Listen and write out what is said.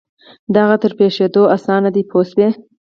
د هغه تر پرېښودلو آسان دی پوه شوې!.